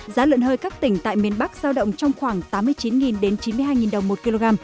giá lợn hơi các tỉnh tại miền bắc giao động trong khoảng tám mươi chín chín mươi hai đồng một kg